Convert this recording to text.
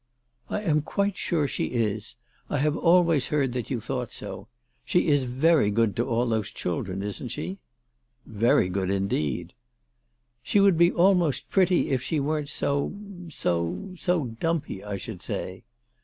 " I am quite sure she is. I have always heard that you thought so. She is very good to all those children ; isn't she ?"" Very good indeed." " She would be almost pretty if she wasn't so, so, so dumpy I should say."